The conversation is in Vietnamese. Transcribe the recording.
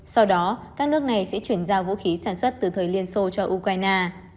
sau đó các nước này sẽ chuyển giao vũ khí sản xuất từ thời liên xô cho ukraine